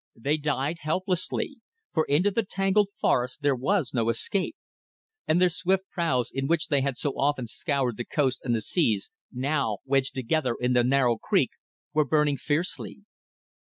They died helplessly, for into the tangled forest there was no escape, and their swift praus, in which they had so often scoured the coast and the seas, now wedged together in the narrow creek, were burning fiercely.